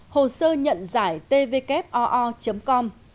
hồ sơ nhận giải tvkoo com